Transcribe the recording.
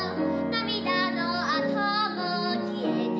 涙のあとも消えて